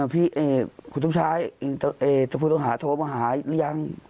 ผู้ต้องหาโทรมาหาหรือยัง